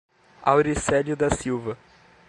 Auricelio da Silva